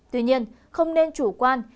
tuy nhiên không nên chủ quan